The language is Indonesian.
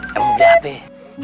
emang udah apa ya